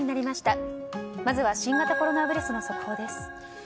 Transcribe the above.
まずは新型コロナウイルスの速報です。